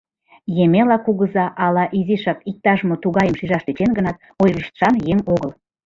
Емела кугыза ала изишак иктаж-мо тугайым шижаш тӧчен гынат, ойлыштшан еҥ огыл.